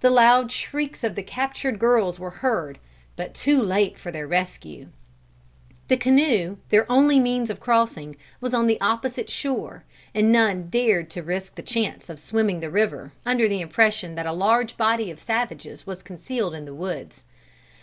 The loud shrieks of the captured girls were heard, but too late for their rescue. "The canoe, their only means of crossing, was on the opposite shore, and none dared to risk the chance of swimming the river, under the impression that a large body of savages was concealed in the woods.